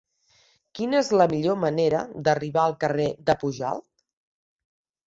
Quina és la millor manera d'arribar al carrer de Pujalt?